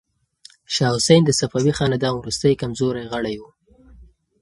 شاه حسین د صفوي خاندان وروستی کمزوری غړی و.